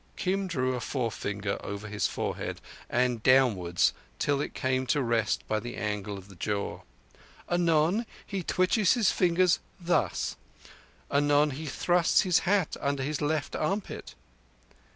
(Kim drew a forefinger over his forehead and downwards till it came to rest by the angle of the jaw.) "Anon He twitches his fingers thus. Anon He thrusts his hat under his left armpit."